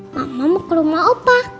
tak mau ke rumah opa